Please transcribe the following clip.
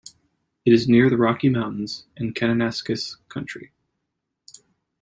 It is near the Rocky Mountains and Kananaskis Country.